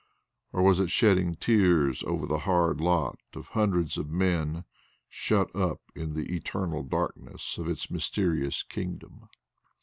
Or was it shedding tears over the hard lot of hundreds of men shut up in the eternal darkness of its mysterious kingdom?